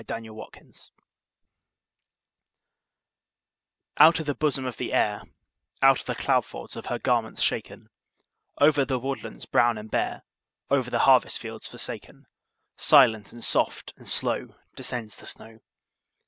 SNOW FLAKES Out of the bosom of the Air, Out of the cloud folds of her garments shaken, Over the woodlands brown and bare, Over the harvest fields forsaken, Silent, and soft, and slow Descends the snow.